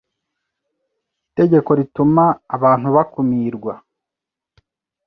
Itegeko rituma abantu bakumirwa